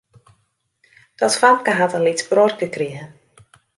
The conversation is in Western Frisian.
Dat famke hat in lyts bruorke krigen.